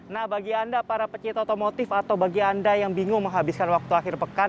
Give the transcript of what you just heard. nah bagi anda para pecinta otomotif atau bagi anda yang bingung menghabiskan waktu akhir pekan